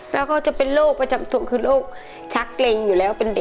แล้วก็จะเป็นโรคประจำตัวคือโรคชักเล็งอยู่แล้ว